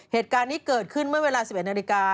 เหตุการณ์นี้เกิดขึ้นเมื่อเวลา๑๑นาฬิกา